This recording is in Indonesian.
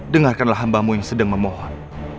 dengarkanlah hambamu yang sedang memohon